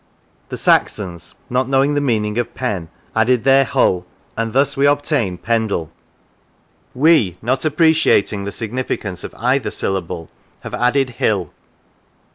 The Saxons, not knowing the meaning of Pen, added their hull, and thus we obtain Pendle. We, not appreciat ing the significance of either syllable, have added " hill."